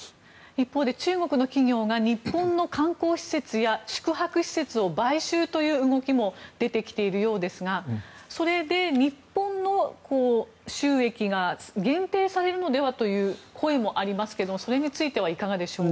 一方で中国の企業が日本の観光施設や宿泊施設を買収という動きも出てきているようですがそれで日本の収益が限定されるのではという声もありますけどもそれについてはいかがでしょうか。